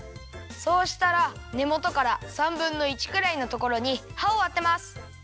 そうしたらねもとから３ぶんの１くらいのところにはをあてます！